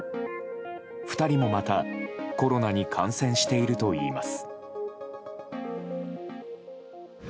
２人もまた、コロナに感染しているといいます。